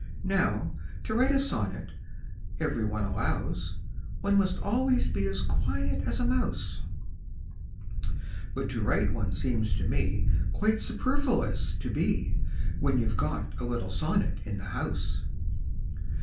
Now, to write a sonnet, every one allows, One must always be as quiet as a mouse; But to write one seems to me Quite superfluous to be, When you 've got a little sonnet in the house.